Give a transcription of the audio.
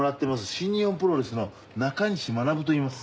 新日本プロレスの中西学といいます。